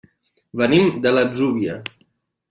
Venim de l'Atzúvia.